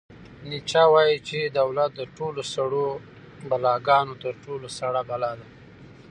نیچه وایي چې دولت د ټولو سړو بلاګانو تر ټولو سړه بلا ده.